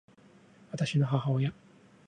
私の母親